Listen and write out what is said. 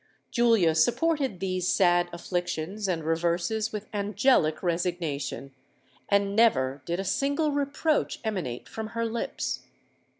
Julia supported these sad afflictions and reverses with angelic resignation; and never did a single reproach emanate from her lips.